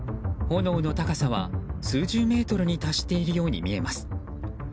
炎の高さは数十メートルに達しているように見えます。